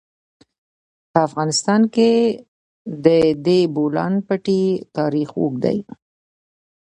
په افغانستان کې د د بولان پټي تاریخ اوږد دی.